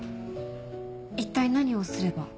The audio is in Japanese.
一体何をすれば？